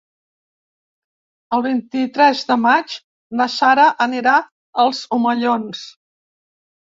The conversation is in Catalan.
El vint-i-tres de maig na Sara anirà als Omellons.